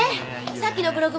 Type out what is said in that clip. さっきのブログ